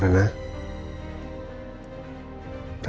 saya mau berbicara